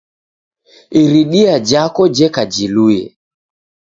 Iridia jako jeka jilue